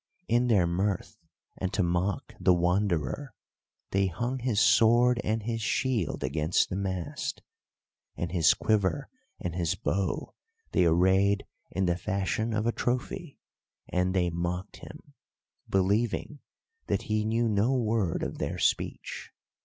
In their mirth, and to mock the Wanderer, they hung his sword and his shield against the mast, and his quiver and his bow they arrayed in the fashion of a trophy; and they mocked him, believing that he knew no word of their speech.